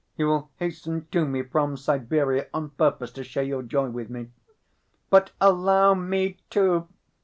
You will hasten to me from Siberia on purpose to share your joy with me—" "But allow me, too!"